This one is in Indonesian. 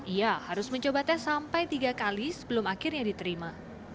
ia harus mencoba tes sampai tiga kali sebelum akhirnya diterima